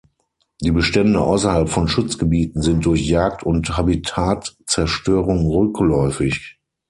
Die Bestände außerhalb von Schutzgebieten sind durch Jagd und Habitatzerstörung rückläufig.